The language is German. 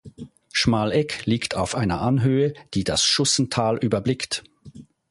Schmalegg liegt auf einer Anhöhe, die das Schussental überblickt.